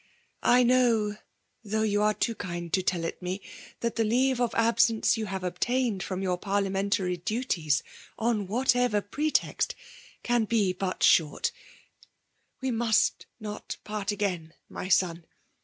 I knowy though you ar«^ too kind to tell it me, that the leave of absence you have obtained from your parliamentarj!: duties, on whatever pretext, can be but short; We must not part again, my son!